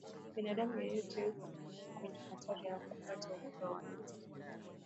binadamu yeyote yupo kwenye hatari ya kupata ugonjwa wa ini